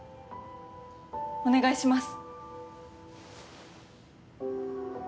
お願いします。